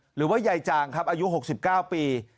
หรือว่ายายจางครับอายุหกสิบเก้าปี